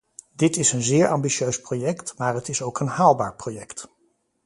Dit is een zeer ambitieus project, maar het is ook een haalbaar project.